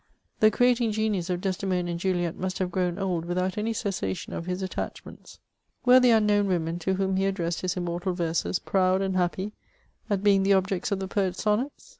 The creating genius of Desde mona and Juliet must have grown old without any cessation of his attachments. Were the unknown women to whom he addressed his immortal verses proud and happy at being the objects of the poet's sonnets